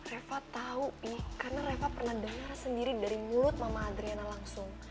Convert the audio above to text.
reva tahu ini karena reva pernah dengar sendiri dari mulut mama adriana langsung